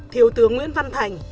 thiếu tướng nguyễn văn thành